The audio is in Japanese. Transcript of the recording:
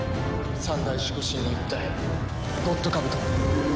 三大守護神の１体ゴッドカブト。